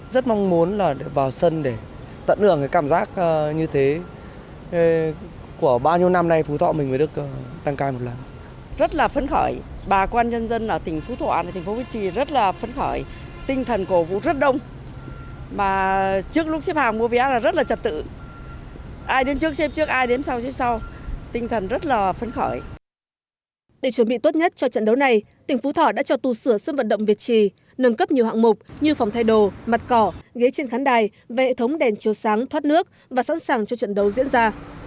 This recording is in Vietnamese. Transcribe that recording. để chuẩn bị tốt nhất cho trận đấu này tỉnh phú thọ đã cho tù sửa sân vận động việt tri nâng cấp nhiều hạng mục như phòng thay đồ mặt cỏ ghế trên khán đài và hệ thống đèn chiều sáng thoát nước và sẵn sàng cho trận đấu diễn ra